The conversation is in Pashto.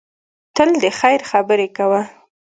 تل د خیر خبرې کوه.